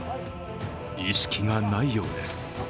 意識がないようです。